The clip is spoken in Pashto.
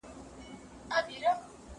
ته ولي مځکي ته ګورې؟